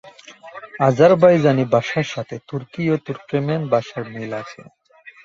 Azerbaijani ভাষার সাথে তুর্কি ও তুর্কমেন ভাষার মিল আছে।